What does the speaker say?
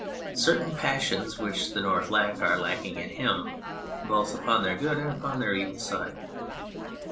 Certain passions which the North lacks are lacking in him, both upon their good and upon their evil side.